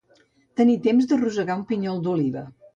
Tenir temps de rosegar un pinyol d'oliva.